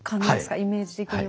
イメージ的には。